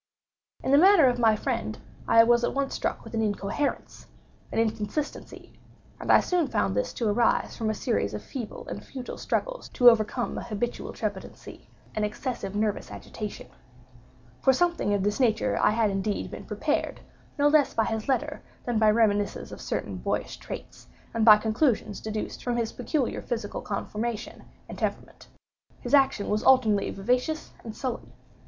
In the manner of my friend I was at once struck with an incoherence—an inconsistency; and I soon found this to arise from a series of feeble and futile struggles to overcome an habitual trepidancy—an excessive nervous agitation. For something of this nature I had indeed been prepared, no less by his letter, than by reminiscences of certain boyish traits, and by conclusions deduced from his peculiar physical conformation and temperament. His action was alternately vivacious and sullen.